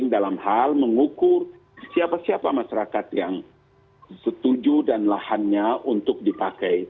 dalam hal mengukur siapa siapa masyarakat yang setuju dan lahannya untuk dipakai